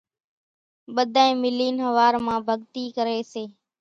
ٻڌانئين ملين ۿوار مان ڀڳتي ڪري سي